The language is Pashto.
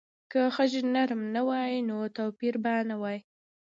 که خج نرم نه وای، نو توپیر به نه وای.